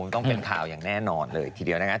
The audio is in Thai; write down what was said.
ต้องเป็นข่าวอย่างแน่นอนเลยทีเดียวนะครับ